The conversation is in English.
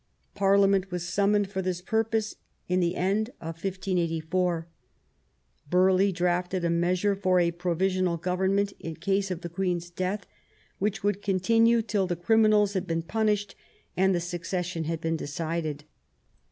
Parliament 214 QUEEN ELIZABETH. was summoned for this purpose in the end of 1584. Burghley drafted a measure for a provisional govern ment, in case of the Queen's death, which should continue till the criminals had been punished and the succession had been decided.